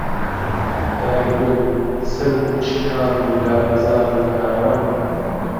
داری گوڵ، سەرو و چنار و لالەزار و نارەوەن